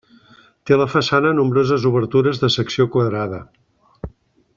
Té a la façana nombroses obertures de secció quadrada.